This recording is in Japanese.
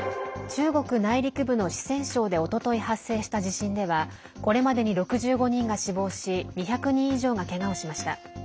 中国内陸部の四川省でおととい発生した地震ではこれまでに６５人が死亡し２００人以上がけがをしました。